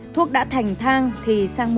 thuốc đã thành thang thì sang mua